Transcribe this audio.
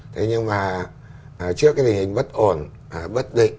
thế nhưng mà trước cái tình hình bất ổn bất định